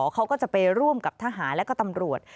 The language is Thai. เขาก็จะไปร่วมกับทหารและก็ตำรวจ